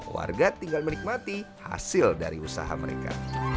warga tinggal menikmati hasil dari usaha mereka